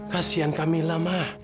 kasian kamilah ma